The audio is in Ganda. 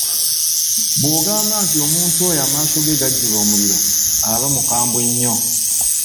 Bw’ogamba nti omuntu oyo amaaso ge gajjula omuliro, aba mukambwe nnyo.